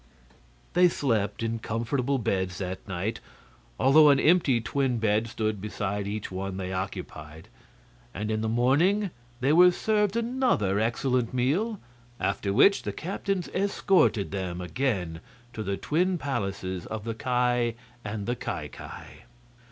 They slept in comfortable beds that night, although an empty twin bed stood beside each one they occupied. And in the morning they were served another excellent meal, after which the captains escorted them again to the twin palaces of the Ki and the Ki Ki.